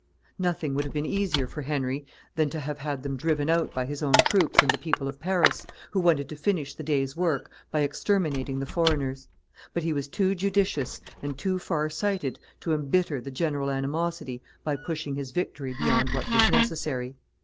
Nothing would have been easier for Henry than to have had them driven out by his own troops and the people of Paris, who wanted to finish the day's work by exterminating the foreigners; but he was too judicious and too far sighted to embitter the general animosity by pushing his victory beyond what was necessary.